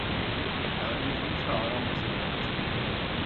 گاڏي ھيمشا آرام سين ھلاڻ کپ